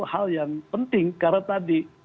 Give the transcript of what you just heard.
hal yang penting karena tadi